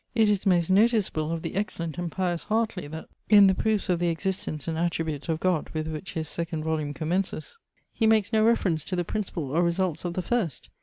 It is most noticeable of the excellent and pious Hartley, that, in the proofs of the existence and attributes of God, with which his second volume commences, he makes no reference to the principle or results of the first.